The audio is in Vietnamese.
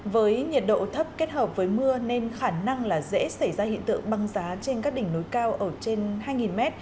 với nhiệt độ thấp kết hợp với mưa nên khả năng là dễ xảy ra hiện tượng băng giá trên các đỉnh núi cao ở trên hai m